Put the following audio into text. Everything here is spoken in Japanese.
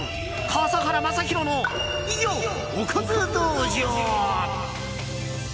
笠原将弘のおかず道場。